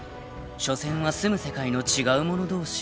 ［しょせんは住む世界の違う者同士］